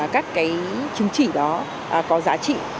các cái chứng chỉ đó có giá trị